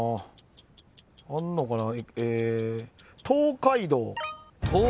あんのかな？